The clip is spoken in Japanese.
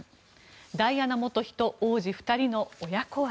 ダイアナ元妃と王子２人の母子愛。